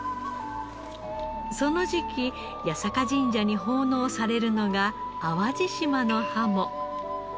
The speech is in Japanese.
その時期八坂神社に奉納されるのが淡路島のハモ。